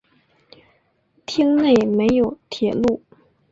町内没有铁路。